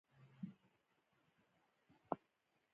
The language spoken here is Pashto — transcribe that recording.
ټوله ژوي په زاري کې دي.